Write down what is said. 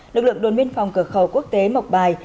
lực lượng đồn biên phòng cửa khẩu quốc tế mộc bài